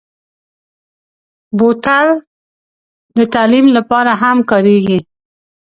بوتل د تعلیم لپاره هم کارېږي.